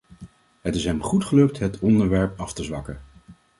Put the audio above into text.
Het is hem goed gelukt het onderwerp af te zwakken.